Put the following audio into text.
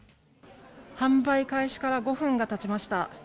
販売開始から５分がたちました。